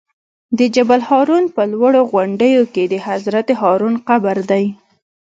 د جبل الهارون په لوړو غونډیو کې د حضرت هارون قبر دی.